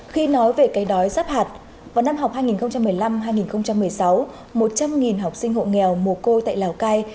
khi nói về cái đói rắp hạt vào năm học hai nghìn một mươi năm hai nghìn một mươi sáu một trăm linh học sinh hộ nghèo mù côi tại lào cai